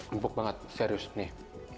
empuk banget serius nih